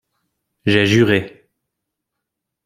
J'ai juré.